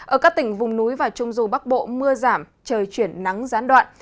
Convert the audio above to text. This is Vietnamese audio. ở các tỉnh vùng núi và trung du bắc bộ mưa giảm trời chuyển nắng gián đoạn